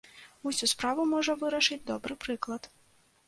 Усю справу можа вырашыць добры прыклад.